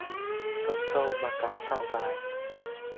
Sông sâu mà cắm sào dài